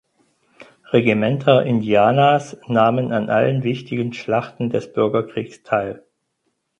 Regimenter Indianas nahmen an allen wichtigen Schlachten des Bürgerkriegs teil.